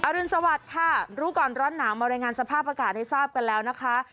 รุนสวัสดิ์ค่ะรู้ก่อนร้อนหนาวมารายงานสภาพอากาศให้ทราบกันแล้วนะคะ